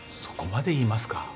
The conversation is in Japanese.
そこまで言いますか？